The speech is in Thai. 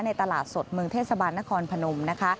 ตลาดสดเมืองเทศบาลนครพนมนะคะ